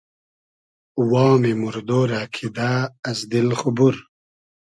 وامی موردۉ رۂ کیدۂ از دیل خو بور